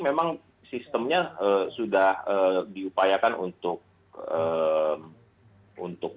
memang sistemnya sudah diupayakan untuk